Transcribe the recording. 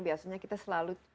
biasanya kita selalu